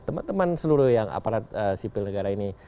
teman teman seluruh yang aparat sipil negara ini